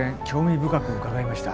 深く伺いました。